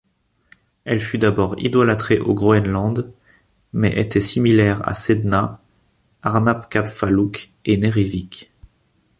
Elle fut d'abord idolâtrée au Groenland mais était similaire à Sedna, Arnapkapfaaluk et Nerrivik.